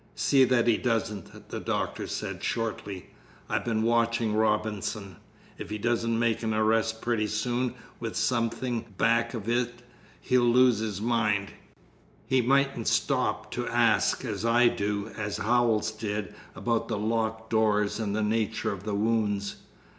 "See that he doesn't," the doctor said shortly. "I've been watching Robinson. If he doesn't make an arrest pretty soon with something back of it he'll lose his mind. He mightn't stop to ask, as I do, as Howells did, about the locked doors and the nature of the wounds."